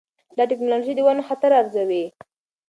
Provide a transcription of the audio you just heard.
دا ټکنالوجي د ونو خطر ارزوي.